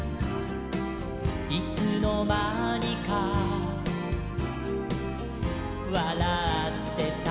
「いつのまにかわらってた」